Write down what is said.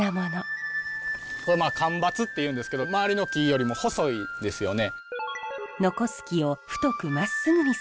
これ間伐って言うんですけど周りの木よりも細いですよね。